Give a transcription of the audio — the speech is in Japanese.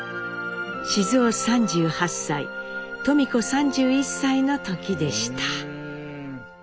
雄３８歳登美子３１歳の時でした。